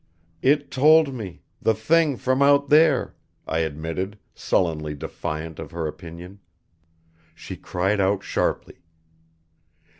"It told me the Thing from out there," I admitted, sullenly defiant of her opinion. She cried out sharply.